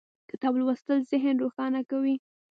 کتاب لوستل ذهن روښانه کوي